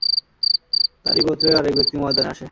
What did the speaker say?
তারই গোত্রের আরেক ব্যক্তি ময়দানে আসে।